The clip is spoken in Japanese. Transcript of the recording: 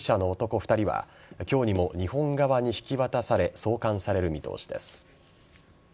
２人は今日にも日本側に引き渡され送還される見通しです。